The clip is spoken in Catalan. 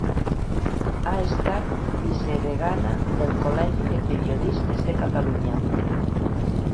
Ha estat vicedegana del Col·legi de Periodistes de Catalunya.